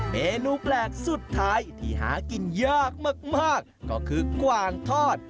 เมนูแปลกสุดท้ายที่หากินยากมากก็คือกวางทอด